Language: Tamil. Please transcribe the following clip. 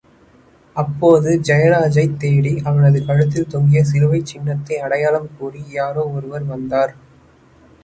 அப்போது ஜெயராஜைத் தேடி, அவனது கழுத்தில் தொங்கிய சிலுவைச் சின்னத்தை அடையாளம் கூறி, யாரோ ஒருவர் வந்தார்.